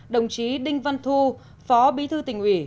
đồng chí đinh văn thu phó bí thư tỉnh ủy